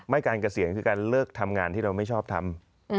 การเกษียณคือการเลิกทำงานที่เราไม่ชอบทำ